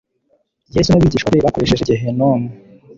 yesu n abigishwa be bakoresheje gehinomu